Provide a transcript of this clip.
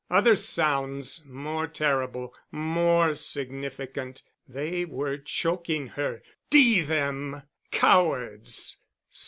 Other sounds, more terrible, more significant.... They were choking her.... D—— them! Cowards!